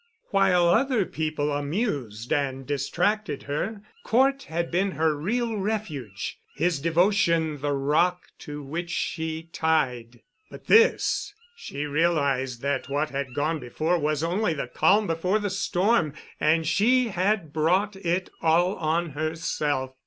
While other people amused and distracted her, Cort had been her real refuge, his devotion the rock to which she tied. But this! She realized that what had gone before was only the calm before the storm—and she had brought it all on herself!